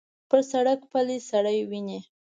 پر سړک پلی سړی وینې.